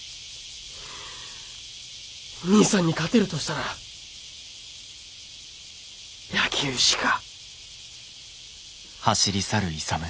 兄さんに勝てるとしたら野球しか。